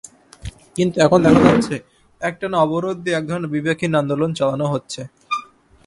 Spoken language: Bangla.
কিন্তু এখন দেখা যাচ্ছে, একটানা অবরোধ দিয়ে একধরনের বিবেকহীন আন্দোলন চালানো হচ্ছে।